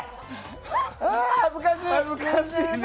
ああ恥ずかしい！